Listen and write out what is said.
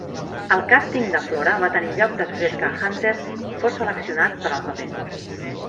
El càsting de Flora va tenir lloc després que Hunter fos seleccionat per al paper.